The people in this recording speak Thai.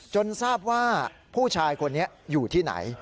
ทราบว่าผู้ชายคนนี้อยู่ที่ไหน